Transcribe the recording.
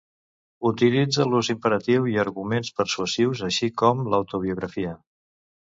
Utilitza l'ús imperatiu i arguments persuasius, així com l'autobiografia.